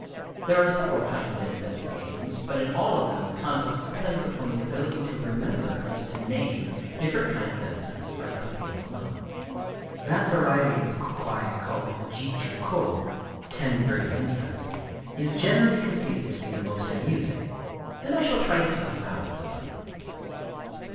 There are several kinds of incense games; but in all of them the contest depends upon the ability to remember and to name different kinds of incense by the perfume alone. That variety of kō kwai called Jitchū kō ("ten burning incense") is generally conceded to be the most amusing; and I shall try to tell you how it is played.